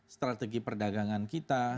strategi perdagangan kita